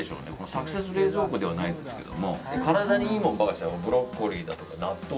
サクセス冷蔵庫ではないんですけど体にいいものばかりブロッコリーだとか納豆。